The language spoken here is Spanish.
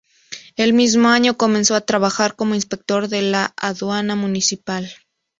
El mismo año comenzó a trabajar como inspector de la aduana municipal.